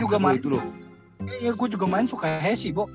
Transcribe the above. gue juga main suka hasy bo